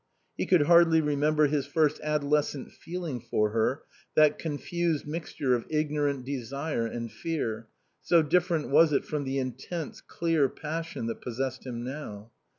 He could hardly remember his first adolescent feeling for her, that confused mixture of ignorant desire and fear, so different was it from the intense, clear passion that possessed him now.